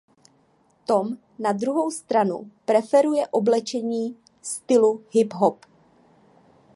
Tom na druhou stranu preferuje oblečení stylu hip hop.